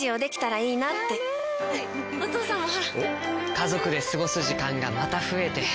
家族で過ごす時間がまた増えて。